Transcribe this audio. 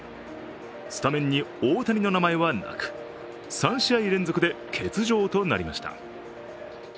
スタメンに大谷の名前はなく、３試合連続で欠場となりました。